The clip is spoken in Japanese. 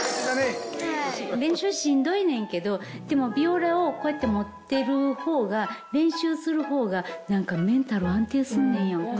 練習しんどいねんけどでもヴィオラをこうやって持ってる方が練習する方が何かメンタル安定すんねんやんか。